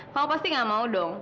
kamu pasti gak mau dong